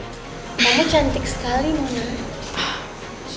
mama cantik sekali mona